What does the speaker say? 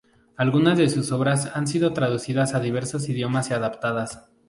Algunas de sus obras han sido traducidas a diversos idiomas y adaptadas.